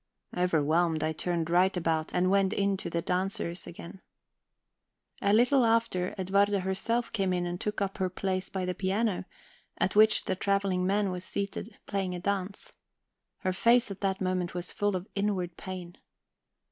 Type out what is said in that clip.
Overwhelmed, I turned right about, and went in to the dancers again. A little after, Edwarda herself came in and took up her place by the piano, at which the travelling man was seated, playing a dance; her face at that moment was full of inward pain.